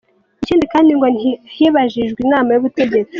Ikindi kandi ngo ntihabajijwe inama y’ubutegetsi.